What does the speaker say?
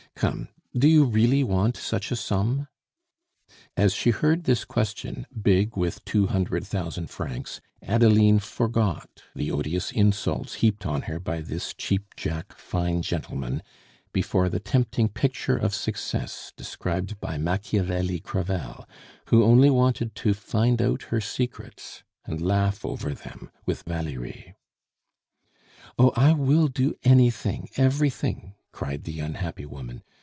Come, do you really want such a sum?" As she heard this question, big with two hundred thousand francs, Adeline forgot the odious insults heaped on her by this cheap jack fine gentleman, before the tempting picture of success described by Machiavelli Crevel, who only wanted to find out her secrets and laugh over them with Valerie. "Oh! I will do anything, everything," cried the unhappy woman.